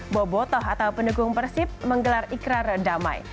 bobotoh atau pendukung persib menggelar ikrar damai